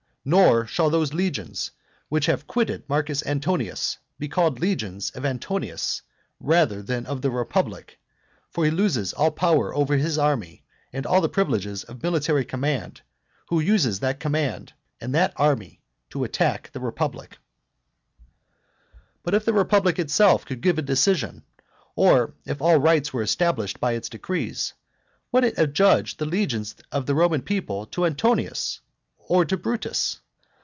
Nor shall those legions which have quitted Marcus Antonius be called the legions of Antonius rather than of the republic; for he loses all power over his army, and all the privileges of military command, who uses that military command and that army to attack the republic. VI. But if the republic itself could give a decision, or if all rights were established by its decrees, would it adjudge the legions of the Roman people to Antonius or to Brutus?